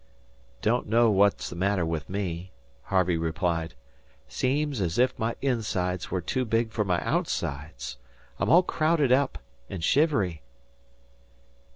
"Don't know what's the matter with me," Harvey implied. "Seems if my insides were too big for my outsides. I'm all crowded up and shivery."